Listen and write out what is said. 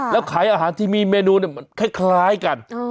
แล้วขายอาหารที่มีเมนูมันคล้ายกัน